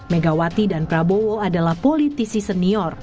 megawati dan prabowo adalah politisi senior